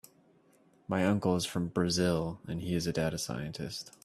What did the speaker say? My uncle is from Brazil and he is a data scientist.